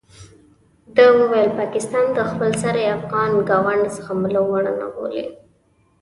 ده وویل پاکستان د خپل سرۍ افغان ګاونډ زغملو وړ نه بولي.